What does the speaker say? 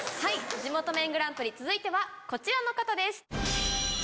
「地元麺グランプリ」続いてはこちらの方です。